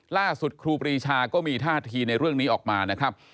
ครูปรีชาก็มีท่าทีในเรื่องนี้ออกมานะครับ